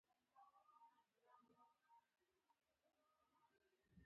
هغه ټکان وخوړ او وخوځېد.